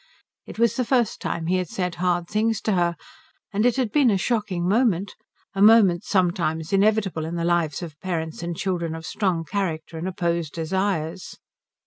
It was the first time he had said hard things to her, and it had been a shocking moment, a moment sometimes inevitable in the lives of parents and children of strong character and opposed desires.